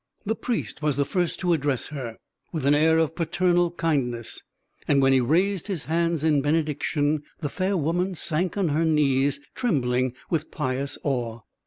The Priest was the first to address her, with an air of paternal kindness, and when he raised his hands in benediction, the fair woman sank on her knees, trembling with pious awe.